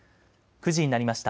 ９時になりました。